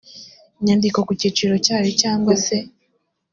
nyandiko ku cyicaro cyayo cyangwa se